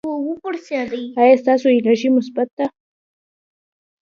ایا ستاسو انرژي مثبت ده؟